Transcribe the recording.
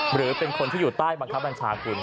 หรือเป็นคนที่อยู่ใต้บังคับบัญชาคุณ